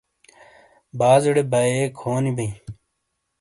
بازیڈے بائیے کھونی بئے ۔